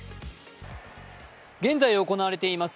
現在行われています